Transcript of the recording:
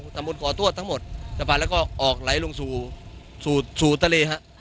ทำบนก่อตัวทั้งหมดจะผ่านแล้วก็ออกไหลลงสู่สู่สู่ทะเลฮะ